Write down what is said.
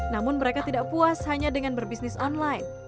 namun mereka tidak puas hanya dengan berbisnis online